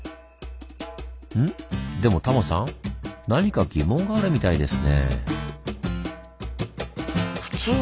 でもタモさん何か疑問があるみたいですねぇ。